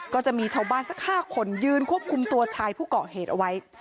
ก็จะมีชาวบ้านสัก๕คนยืนควบคุมตัวชายผู้เกาะเหตุเอาไว้